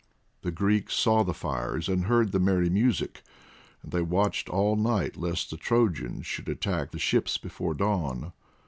The Greeks saw the fires, and heard the merry music, and they watched all night lest the Trojans should attack the ships before the dawn.